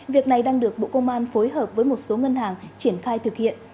việc này đang được bộ công an phối hợp với một số ngân hàng triển khai thực hiện